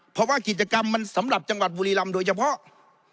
เพราะว่ากิจกรรมมันสำหรับจังหวัดบุรีรำโดยเฉพาะ